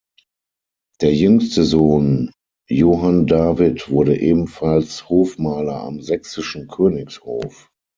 Der jüngste Sohn Johann David wurde ebenfalls Hofmaler am sächsischen Königshof.